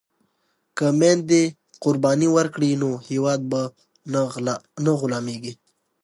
که میندې قرباني ورکړي نو هیواد به نه غلامیږي.